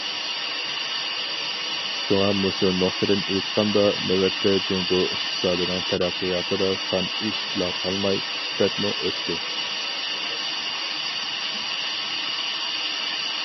شۇڭا مۇشۇ نۇقتىدىن ئېيتقاندا، نۆۋەتتە جۇڭگو ئىقتىسادىنىڭ تەرەققىياتىدا سان ئېشىپلا قالماي، سۈپەتمۇ ئۆستى.